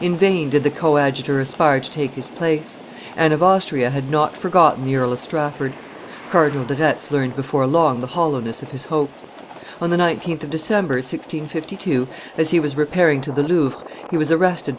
In vain did the coadjutor aspire to take his place; Anne of Austria had not forgotten the Earl of Strafford. Cardinal de Retz learned before long the hollowness of his hopes. On the 19th of December, 1652, as he was repairing to the Louvre, he was arrested by M.